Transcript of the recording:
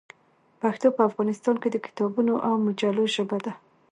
پښتو په افغانستان کې د کتابونو او مجلو ژبه ده.